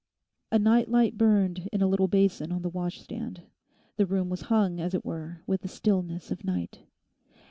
A night light burned in a little basin on the washstand. The room was hung, as it were, with the stillness of night.